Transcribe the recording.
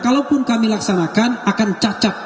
kalau pun kami laksanakan akan cacat